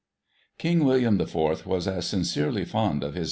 King William the Fourth was as sincerely fond ot his.